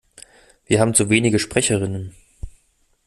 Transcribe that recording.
Wir haben zu wenige Sprecherinnen.